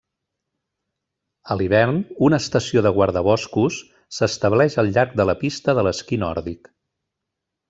A l'hivern, una estació de guardaboscos s'estableix al llarg de la pista de l'esquí nòrdic.